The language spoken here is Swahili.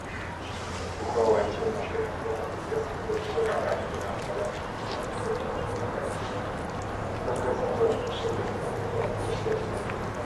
Wakuu hao wa nchi wamesema kwamba katika siku za usoni, mawaziri na wataalamu wa kiufundi watafanya kazi kwa kasi kuhakikisha jamuhuri ya kidemokrasia ya Kongo